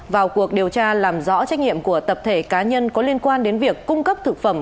vào cuộc điều tra làm rõ trách nhiệm của tập thể cá nhân có liên quan đến việc cung cấp thực phẩm